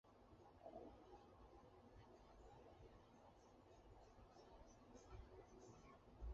位于麻州靠近中西部的著名大学院校有位于先锋山谷的五大学院和威廉斯学院。